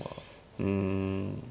うん。